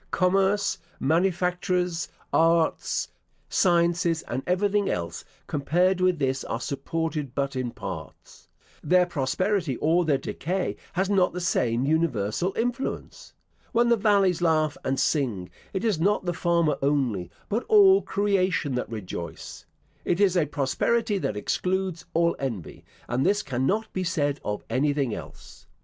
Commerce, manufactures, arts, sciences, and everything else, compared with this, are supported but in parts. Their prosperity or their decay has not the same universal influence. When the valleys laugh and sing, it is not the farmer only, but all creation that rejoice. It is a prosperity that excludes all envy; and this cannot be said of anything else.